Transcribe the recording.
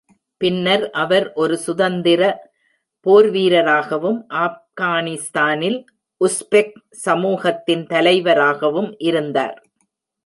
பின்னர் அவர் ஒரு சுதந்திர போர்வீரராகவும் ஆப்கானிஸ்தானின் உஸ்பெக் சமூகத்தின் தலைவராகவும் இருந்தார்.